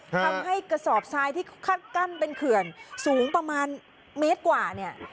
ทำให้กระสอบทรายที่กั้นเป็นเขื่อนสูงประมาณเมตรกว่า